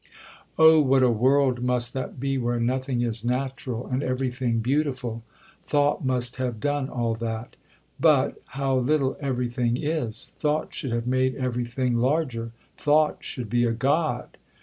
Oh what a world must that be where nothing is natural, and every thing beautiful!—thought must have done all that. But, how little every thing is!—thought should have made every thing larger—thought should be a god.